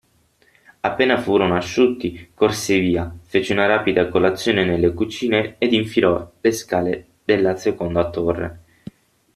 Appena furono asciutti, corse via, fece una rapida colazione nelle cucine ed infilò le scale della seconda torre.